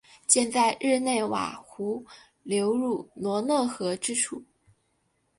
建在日内瓦湖流入罗讷河之处。